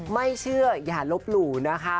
ไม่เชื่ออย่าลบหลู่นะคะ